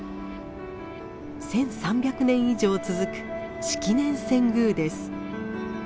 １，３００年以上続く式年遷宮です。